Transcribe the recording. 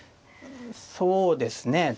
そうですね。